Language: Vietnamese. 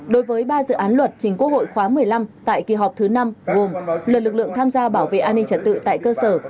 đối với ba dự án luật trình quốc hội khóa một mươi năm tại kỳ họp thứ năm gồm luật lực lượng tham gia bảo vệ an ninh trật tự tại cơ sở